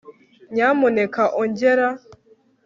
nyamuneka ongera